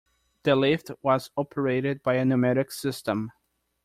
The lift was operated by a pneumatic system.